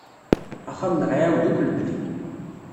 Axxam-nneɣ iɛawed akk lebni.